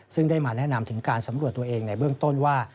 ซึ่งได้มาแนะนำถึงการสำรวจตัวเองในเบื้องต้นว่า